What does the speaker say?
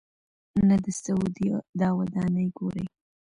نه د سعودي دا ودانۍ ګوري.